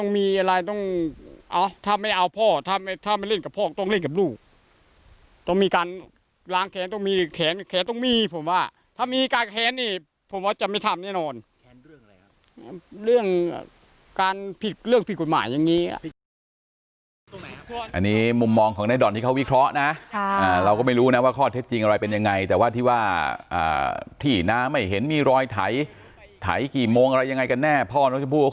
มองอะไรยังไงกันแน่พ่อน้องชมพู่เขาเคยชี้แจงไปแล้ว